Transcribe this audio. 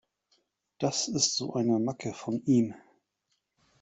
Das ist so eine Macke von ihm.